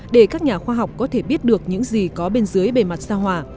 để các nhà khoa học có thể biết được những gì có bên dưới bề mặt sao hỏa